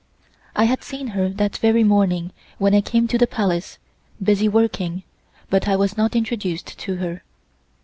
I had seen her that very morning when I came to the Palace, busy working, but I was not introduced to her.